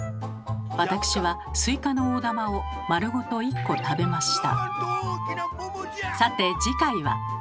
わたくしはスイカの大玉を丸ごと１個食べました。